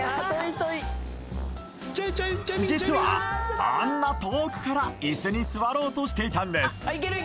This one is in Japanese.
実はあんな遠くからイスに座ろうとしていたんです